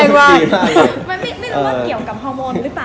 เอาใจแล้วก็จะยิ่งแบบ